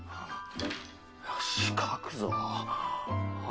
よし描くぞ！